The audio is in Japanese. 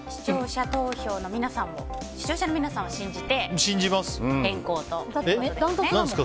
視聴者の皆さんを信じて変更と。